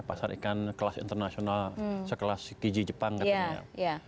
pasar ikan kelas internasional sekelas kiji jepang katanya